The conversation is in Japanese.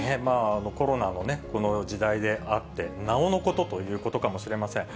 コロナの時代であって、なおのことということかもしれません。